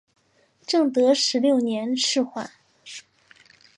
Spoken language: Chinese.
正德十六年赦还。